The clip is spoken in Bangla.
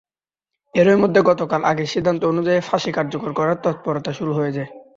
এরই মধ্যে গতকাল আগের সিদ্ধান্ত অনুযায়ী ফাঁসি কার্যকর করার তৎপরতা শুরু হয়ে যায়।